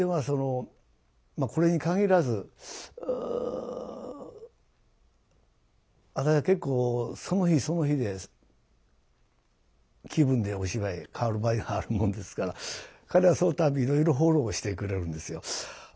そのまあこれに限らず私は結構その日その日で気分でお芝居変わる場合があるもんですから彼はそのたんびいろいろフォローしてくれるんですよ。